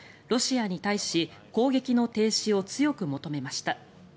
ロシアに対し攻撃の停止を強く求めました。